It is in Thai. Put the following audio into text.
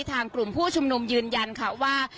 ทางกลุ่มผู้ชุมนุมยืนยันค่ะว่า